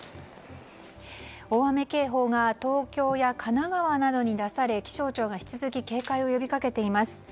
大雨警報が東京や神奈川などに出され気象庁が引き続き警戒を呼びかけています。